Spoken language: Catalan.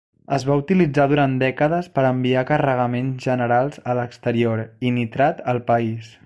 Es va utilitzar durant dècades per enviar carregaments generals a l'exterior i nitrat al país.